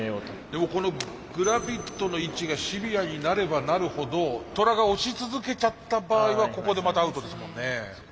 でもこのグラビットの位置がシビアになればなるほどトラが押し続けちゃった場合はここでまたアウトですもんね。